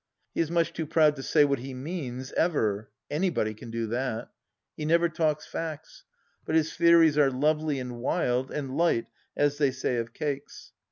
He is much too proud to say what he means, ever ; anybody can do that. He never talks facts. But his theories are lovely and wild, and light, as they say of cakes.